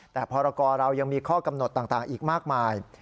แต่พรกรเรายังมีข้อกำหนดต่างอีกมากมาย